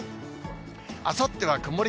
あさっては曇り